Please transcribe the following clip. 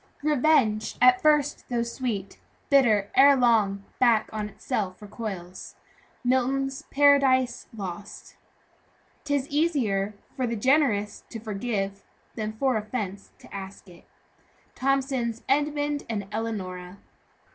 "Revenge, at first though sweet, Bitter, ere long, back on itself recoils." MILTON'S PARADISE LOST. "Tis easier for the generous to forgive, Than for offence to ask it." THOMSON'S EDMUND AND ELEONORA.